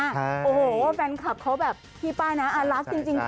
ก็เพราะว่าช่วงนี้เนี่ยน้องเต้าหย่องเขากำลังมา